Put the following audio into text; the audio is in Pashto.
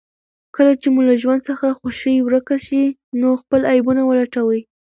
کله چې مو له ژوند څخه خوښي ورکه شي، نو خپل عيبونه ولټوئ.